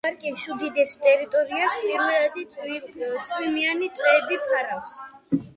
პარკის უდიდეს ტერიტორიას პირველადი წვიმიანი ტყეები ფარავს.